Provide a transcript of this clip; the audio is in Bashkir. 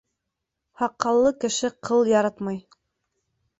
Һаҡаллы кеше ҡыл яратмай.